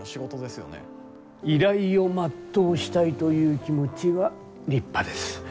依頼を全うしたいという気持ちは立派です。